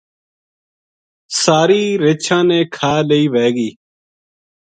ساری رچھاں نے کھا لئی وھے گی